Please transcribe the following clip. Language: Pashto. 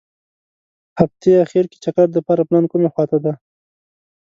هغتې اخیر کې چکر دپاره پلان کومې خوا ته دي.